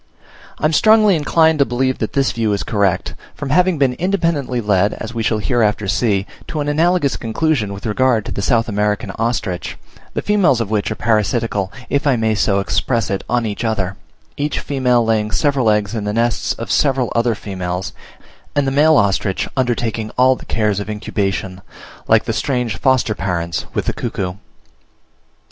I am strongly inclined to believe that this view is correct, from having been independently led (as we shall hereafter see) to an analogous conclusion with regard to the South American ostrich, the females of which are parasitical, if I may so express it, on each other; each female laying several eggs in the nests of several other females, and the male ostrich undertaking all the cares of incubation, like the strange foster parents with the cuckoo.